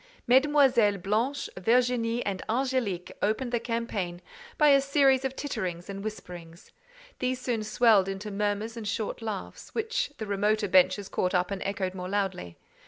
Mesdemoiselles Blanche, Virginie, and Angélique opened the campaign by a series of titterings and whisperings; these soon swelled into murmurs and short laughs, which the remoter benches caught up and echoed more loudly.